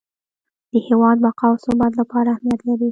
د هیواد بقا او ثبات لپاره اهمیت لري.